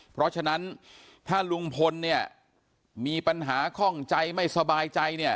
เพราะฉะนั้นถ้าลุงพลเนี่ยมีปัญหาข้องใจไม่สบายใจเนี่ย